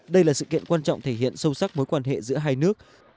đây là sự kiện quan trọng thể hiện sâu sắc mối quan hệ giữa hai nước